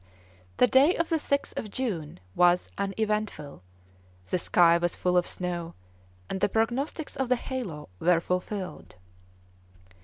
The day of the 6th of June was uneventful; the sky was full of snow, and the prognostics of the halo were fulfilled.